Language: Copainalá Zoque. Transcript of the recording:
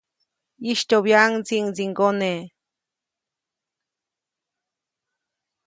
ʼYistyoʼbyaʼuŋ ndsiʼŋdsiŋgone.